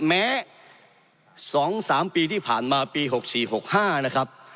แม้๒๓ปีที่ผ่านมาปี๖๔๖๕นะครับ